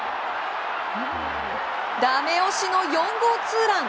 ダメ押しの４号ツーラン！